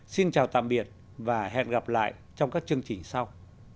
xin chào tạm biệt và hẹn gặp lại trong các chương trình sau